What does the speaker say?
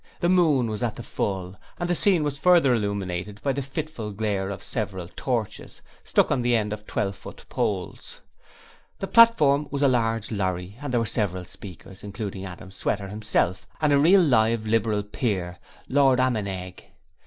The moon was at the full, and the scene was further illuminated by the fitful glare of several torches, stuck on the end of twelve foot poles. The platform was a large lorry, and there were several speakers, including Adam Sweater himself and a real live Liberal Peer Lord Ammenegg.